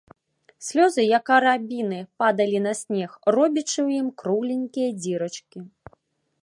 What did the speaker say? Слёзы, як арабіны, падалі на снег, робячы ў ім кругленькія дзірачкі.